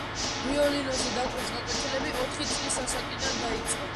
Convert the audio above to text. ვიოლინოზე დაკვრის გაკვეთილები ოთხი წლის ასაკიდან დაიწყო.